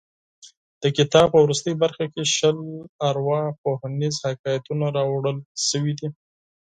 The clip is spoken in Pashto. د کتاب په وروستۍ برخه کې شل ارواپوهنیز حکایتونه راوړل شوي دي.